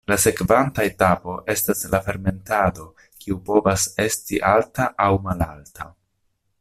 La sekvanta etapo estas la fermentado kiu povas esti alta aŭ malalta.